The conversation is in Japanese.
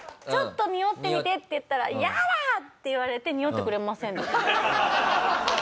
ちょっとにおってみて」って言ったら「イヤだ！！」って言われてにおってくれませんでした。